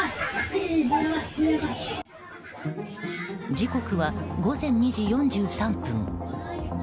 時刻は午前２時４３分。